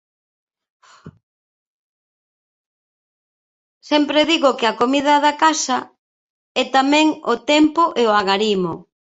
Sempre digo que a comida da casa é tamén o tempo e o agarimo.